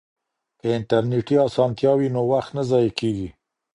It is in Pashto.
که انټرنیټي اسانتیا وي نو وخت نه ضایع کیږي.